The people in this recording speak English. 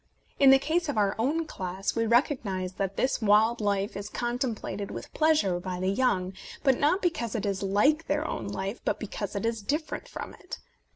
In the case of our own class, we recognize that this wild life is contemplated with pleasure by the young, not because it is like their own life, but because it is dif ferent from it.